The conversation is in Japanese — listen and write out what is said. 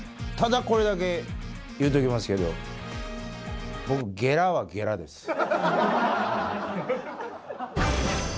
ただ、これだけ言うときますけど、僕、ゲラはゲラです。